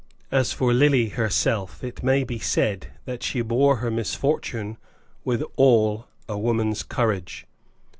As for Lily herself it may be said that she bore her misfortune with all a woman's courage.